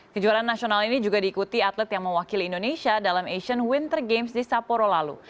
kejuaraan nasional ini juga diikuti atlet yang mewakili indonesia dalam asian winter games di saporo lalu